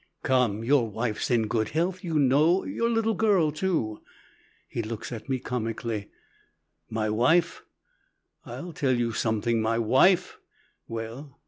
"Come; your wife's in good health, you know; your little girl, too." He looks at me comically: "My wife I'll tell you something; my wife " "Well?"